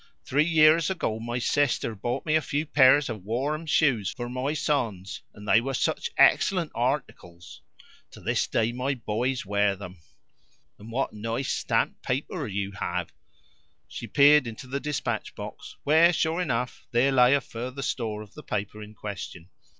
Three years ago my sister brought me a few pairs of warm shoes for my sons, and they were such excellent articles! To this day my boys wear them. And what nice stamped paper you have!" (she had peered into the dispatch box, where, sure enough, there lay a further store of the paper in question).